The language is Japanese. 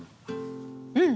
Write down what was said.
うん！